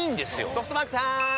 ソフトバンクさーん！